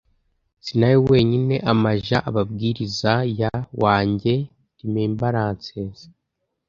Si nawe wenyine amaja ababwiriza ya wanjye remembrances ,